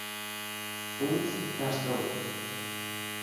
Uns tras doutros.